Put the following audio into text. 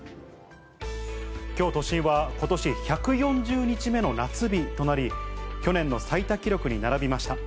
きょう、都心はことし１４０日目の夏日となり、去年の最多記録に並びました。